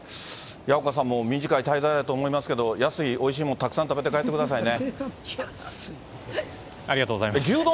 矢岡さんも、短い滞在だと思いますけれども、安いおいしいもんたくさん食べてありがとうございます。